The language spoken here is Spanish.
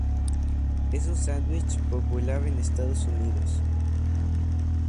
Es un sandwich popular en Estados Unidos.